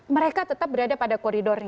mereka tetap berada pada koridornya